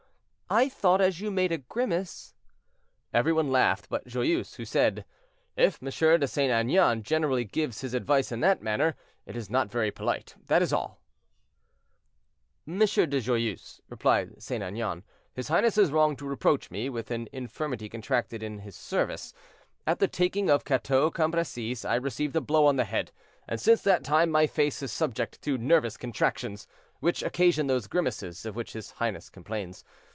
I thought as you made a grimace—" Every one laughed but Joyeuse, who said, "If M. de St. Aignan generally gives his advice in that manner, it is not very polite, that is all." "M. de Joyeuse," replied St. Aignan, "his highness is wrong to reproach me with an infirmity contracted in his service. At the taking of Cateau Cambresis I received a blow on the head, and since that time my face is subject to nervous contractions, which occasion those grimaces of which his highness complains.